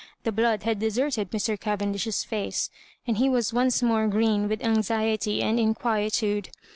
The blood had de serted Mr. Cavendish's face, and he was once more green with anxiety and inquietude.